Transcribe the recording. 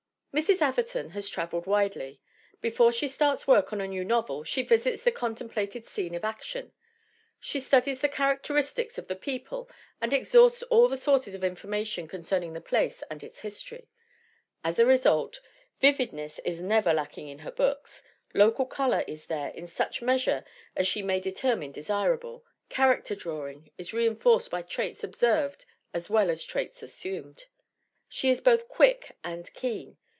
Mrs. Atherton has traveled very widely. Before she starts work on a new novel she visits the contem plated scene of action. She studies the characteristics of the people and exhausts all her sources of informa tion concerning the place and its history. As a result GERTRUDE ATHERTON 49 vividness is never lacking in her books, "local color" is there in such measure as she may determine desir able, character drawing is reenforced by traits observed as well as traits assumed. She is both quick and keen.